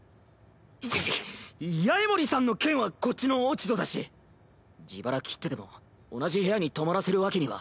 んっ八重森さんの件はこっちの落ち度だし自腹切ってでも同じ部屋に泊まらせるわけには。